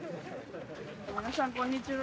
皆さんこんにちは。